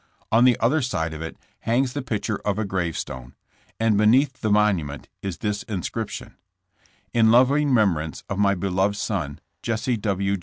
On the other side of it hangs the picture of a gravestone, and beneath the monument is this inscription: In Loving Remembrance of My Beloved Son, Jesse W.